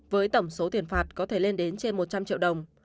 với tổng số tiền phạt có thể lên đến trên một trăm linh triệu đồng